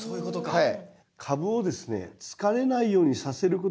はい。